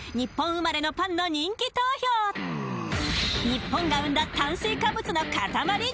日本が生んだ炭水化物のかたまり